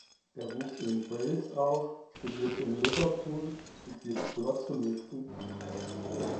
Er wuchs in Wales auf, studierte in Liverpool und spielte dort zunächst in Punkbands.